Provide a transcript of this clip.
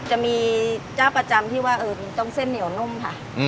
จะมีเจ้าประจำที่ว่าต้องเส้นเหนียวนุ่มค่ะ